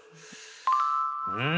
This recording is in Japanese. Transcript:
うん！